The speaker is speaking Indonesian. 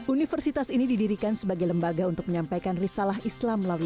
universitas ini didirikan sebagai lembaga untuk menyampaikan risalah islam melalui